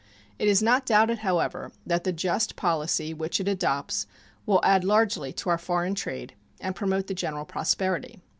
It is not doubted, however, that the just policy which it adopts will add largely to our foreign trade and promote the general prosperity.